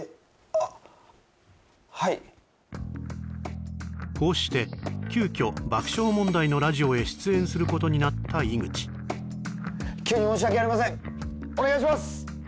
あっはいこうして急きょすることになった井口急に申し訳ありませんお願いします！